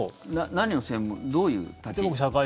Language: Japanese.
何を専門どういう立ち位置？